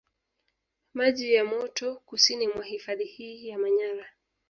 Maji ya moto kusini mwa hifadhi hii ya Manyara